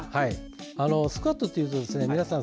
スクワットというと皆さん